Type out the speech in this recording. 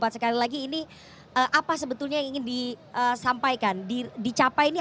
sekali lagi ini apa sebetulnya yang ingin disampaikan dicapai ini